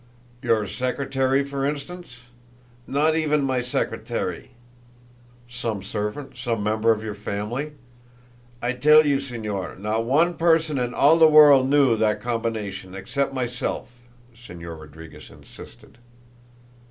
"Your secretary, for instance?" "Not even my secretary." "Some servant some member of your family?" "I tell you, Señor, not one person in all the world knew that combination except myself," Señor Rodriguez insisted.